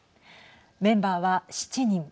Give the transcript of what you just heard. メンバーは７人。